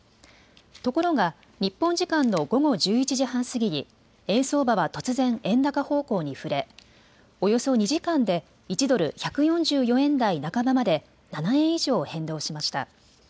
ところが日本時間の午後１１時半過ぎに円相場は突然、円高方向に振れおよそ２時間で１ドル１４４円台半ばまで７円以上、変動しました。